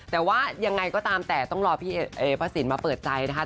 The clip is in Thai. แต่ว่ายังไงก็ตามแต่ต้องรอพี่พระสินมาเปิดใจนะคะ